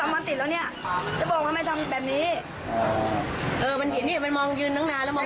เออมันเห็นเนี่ยมันมองยืนนักนานแล้วมองมานานมา